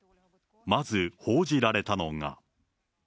まず報じられたのが。